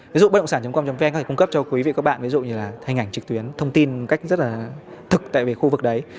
ví dụ bất động sản com vn có thể cung cấp cho quý vị các bạn ví dụ như là hình ảnh trực tuyến thông tin cách rất là thực tại về khu vực đấy